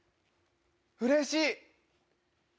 うれしい。